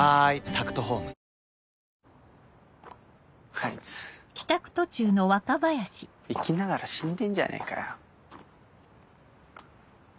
あいつ生きながら死んでんじゃねえかよ。